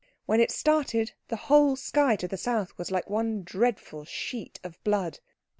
When it started, the whole sky to the south was like one dreadful sheet of blood.